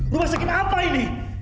rumah sakit apa ini